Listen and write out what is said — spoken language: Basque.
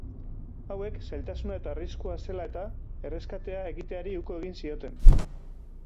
Hauek, zailtasuna eta arriskua zela-eta erreskatea egiteari uko egin zioten.